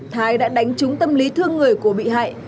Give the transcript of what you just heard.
thái đã đánh trúng tâm lý thương người của bị hại